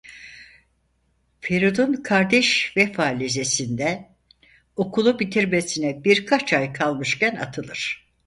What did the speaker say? Feridun kardeş Vefa Lisesi'nden okulu bitirmesine birkaç ay kalmışken atılır.